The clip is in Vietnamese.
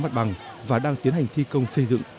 mặt bằng và đang tiến hành thi công xây dựng